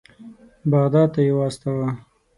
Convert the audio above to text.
بغداد ته یې واستاوه.